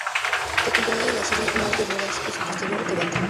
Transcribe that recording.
Se componía por la serie "Mar de dudas" y su posterior debate.